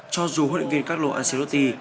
cho dù hội viên carlo ancelotti